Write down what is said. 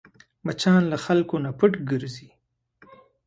مچان له خلکو نه پټ ګرځي